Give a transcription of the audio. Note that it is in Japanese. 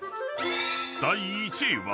［第１位は］